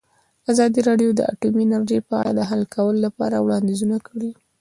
ازادي راډیو د اټومي انرژي په اړه د حل کولو لپاره وړاندیزونه کړي.